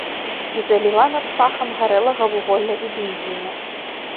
І заліла ноч пахам гарэлага вуголля і бензіну.